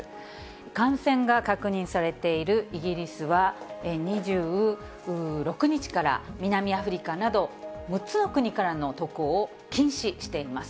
感染が確認されているイギリスは、２６日から南アフリカなど６つの国からの渡航を禁止しています。